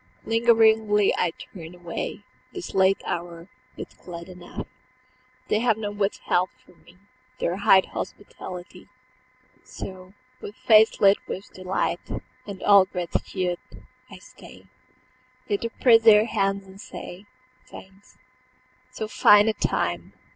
Lingeringly I turn away, This late hour, yet glad enough They have not withheld from me Their high hospitality. So, with face lit with delight And all gratitude, I stay Yet to press their hands and say, "Thanks. So fine a time